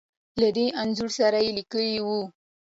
له دې انځور سره يې ليکلې وو .